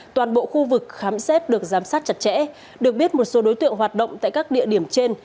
toàn bộ khu vực khám xét được giám sát chặt chẽ được biết một số đối tượng hoạt động tại các địa điểm trên